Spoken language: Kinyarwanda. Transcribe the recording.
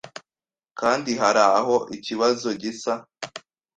Kandi haraho, ikibazo gisa